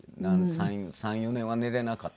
３４年は寝れなかったですね。